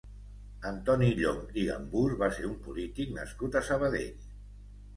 Antoni Llonch i Gambús va ser un polític nascut a Sabadell.